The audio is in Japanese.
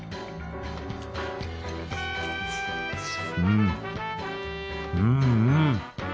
うんうんうん。